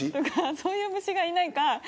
そういう虫がいないか。